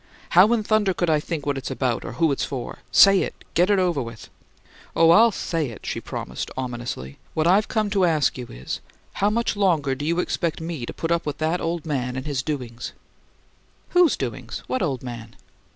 "How in thunder could I think what it's about, or who it's for? SAY it, and get it over!" "Oh, I'll 'say' it," she promised, ominously. "What I've come to ask you is, How much longer do you expect me to put up with that old man and his doings?" "Whose doings? What old man?"